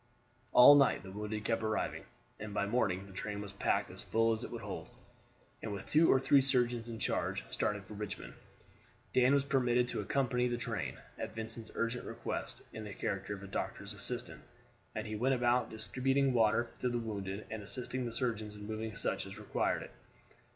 All night the wounded kept arriving, and by morning the train was packed as full as it would hold, and with two or three surgeons in charge started for Richmond. Dan was permitted to accompany the train, at Vincent's urgent request, in the character of doctor's assistant, and he went about distributing water to the wounded, and assisting the surgeons in moving such as required it.